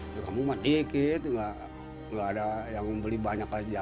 ya kamu mah dikit nggak ada yang beli banyak aja